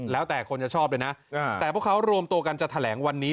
แล้วแต่คนจะชอบเลยนะแต่พวกเขารวมตัวกันจะแถลงวันนี้